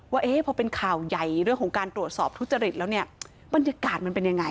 ว่าพอเป็นข่าวใหญ่เรื่องของการตรวจสอบทุจริตแล้วเนี่ยบรรยากาศมันเป็นยังไง